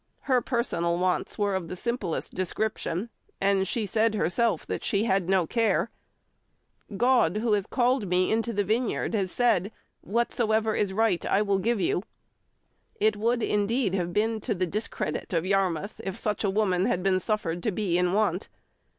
Her personal wants were of the simplest description, and she said herself that she had no care: "God, who had called me into the vineyard, had said, 'Whatsoever is right, I will give you.'" It would, indeed, have been to the discredit of Yarmouth if such a woman had been suffered to be in want.